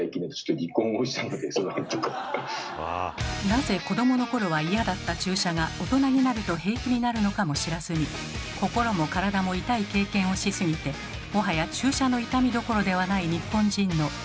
なぜ子どものころは嫌だった注射が大人になると平気になるのかも知らずに心も体も痛い経験をしすぎてもはや注射の痛みどころではない日本人のなんと多いことか。